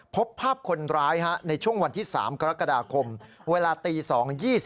พบภาพคนร้ายในช่วงวันที่๓กรกฎาคมเวลาตี๒๒